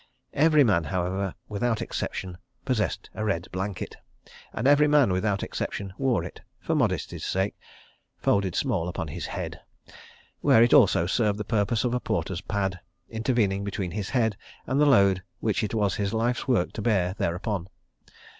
Every man, however, without exception, possessed a red blanket, and every man, without exception, wore it, for modesty's sake, folded small upon his head—where it also served the purpose of a porter's pad, intervening between his head and the load which it was his life's work to bear thereupon.